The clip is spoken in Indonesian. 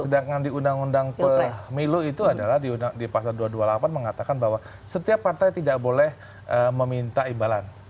sedangkan di undang undang pemilu itu adalah di pasal dua ratus dua puluh delapan mengatakan bahwa setiap partai tidak boleh meminta imbalan